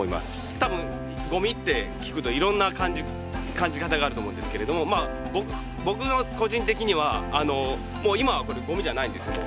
多分ゴミって聞くといろんな感じ方があると思うんですけれども僕の個人的にはもう今はこれゴミじゃないんですよもう。